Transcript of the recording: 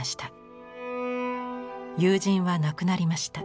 友人は亡くなりました。